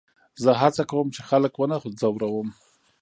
زه هڅه کوم، چي خلک و نه ځوروم.